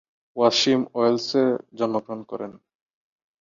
ওয়াসিম ওয়েলসে জন্মগ্রহণ করেন।